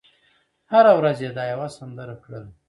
هره ورځ یې دا یوه سندره کړله